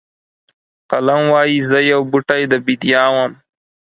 قلم وایي زه یو بوټی د بیدیا وم.